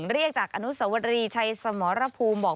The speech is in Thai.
เรียกจากอนุสวรีชัยสมรภูมิบอก